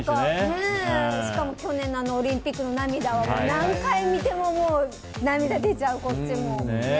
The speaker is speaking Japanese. しかも去年のオリンピックの涙は何回見ても涙出ちゃう、こっちも。